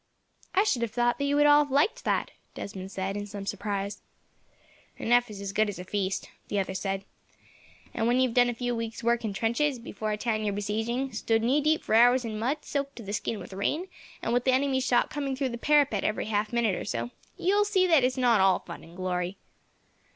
"I should have thought that you would all have liked that," Desmond said, in some surprise. "Enough is as good as a feast," the other said; "and when you have done a few weeks' work in trenches, before a town you are besieging; stood knee deep for hours in mud, soaked to the skin with rain, and with the enemy's shot coming through the parapet every half minute or so; you will see that it is not all fun and glory.